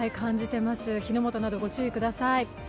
火の元などご注意ください。